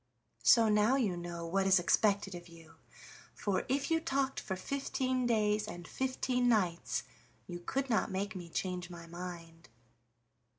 So now you know what is expected of you, for if you talked for fifteen days and fifteen nights you could not make me change my mind."